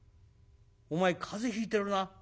お前風邪ひいてるな。